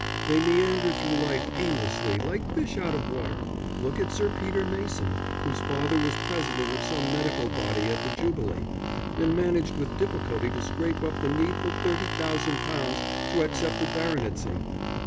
They meander through life aimlessly, like fish out of water. Look at Sir Peter Mason, whose father was President of some medical body at the Jubilee, and managed with difficulty to scrape up the needful thirty thousand pounds to accept a baronetcy.